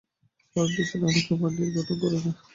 সরল টিস্যু নালিকা বান্ডিল গঠন করে না।